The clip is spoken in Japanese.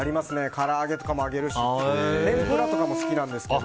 から揚げとかも揚げるし天ぷらとかも好きなんですけど。